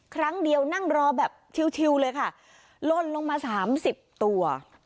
ครั้งเดียวนั่งรอแบบชิวเลยค่ะลนลงมาสามสิบตัว